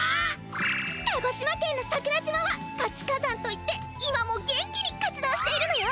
鹿児島県の桜島は活火山といって今も元気に活動しているのよ。